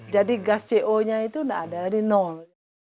jadi gas co nya itu tidak ada jadi nol